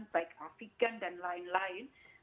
kemudian kebutuhan obat obatan baik afegan dan lain lain